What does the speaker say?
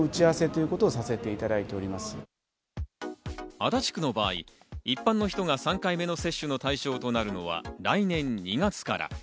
足立区の場合、一般の人が３回目の接種の対象となるのは来年２月から。